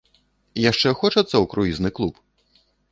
Яшчэ хочацца ў круізны клуб?